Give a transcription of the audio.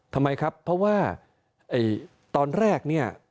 ทำไมครับเพราะว่าตอนแรกเนี่ย